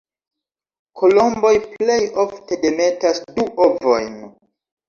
Kolomboj plej ofte demetas du ovojn.